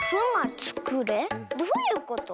どういうこと？